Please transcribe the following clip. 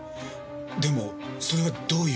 でもそれはどういう。